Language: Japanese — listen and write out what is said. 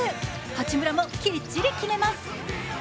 八村もきっちり決めます。